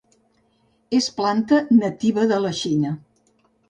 És planta nativa de la Xina.